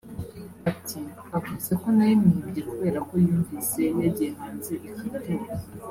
Ati “Avuze ko nayimwibye kubera ko yumvise yagiye hanze ikaryoha